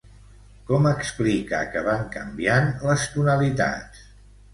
Com explica que van canviant les tonalitats?